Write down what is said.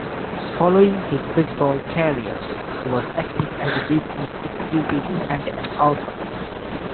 Following his baseball career, he was active as a business executive and an author.